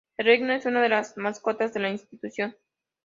Ringo es una de las mascotas de la institución.